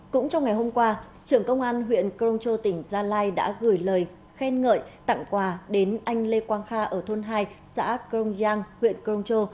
cũng trong ngày hôm qua trưởng công an huyện công chô tỉnh gia lai đã gửi lời khen ngợi tặng quà đến anh lê quang kha ở thôn hai xã công giang huyện công chô